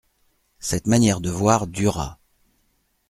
Cette manière de voir dura.